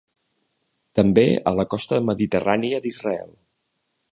També a la costa mediterrània d'Israel.